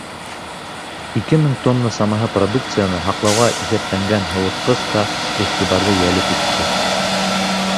Ике мең тонна самаһы продукцияны һаҡлауға иҫәпләнгән һыуытҡыс та иғтибарҙы йәлеп итте.